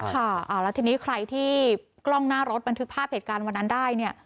ค่ะแล้วทีนี้ใครที่กล้องหน้ารถบันทึกภาพเหตุการณ์วันนั้นได้เนี่ย